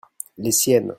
les siennes.